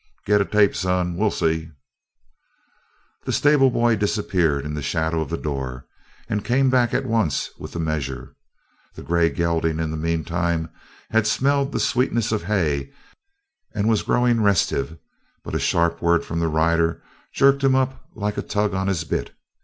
"Get a tape, son. We'll see." The stable boy disappeared in the shadow of the door and came back at once with the measure. The grey gelding, in the meantime, had smelled the sweetness of hay and was growing restive but a sharp word from the rider jerked him up like a tug on his bit.